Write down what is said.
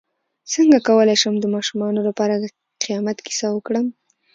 څ�ه کولی شم د ماشومانو لپاره د قیامت کیسه وکړم